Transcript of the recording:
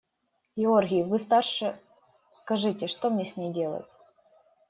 – Георгий, вы старше, скажите, что мне с ней делать?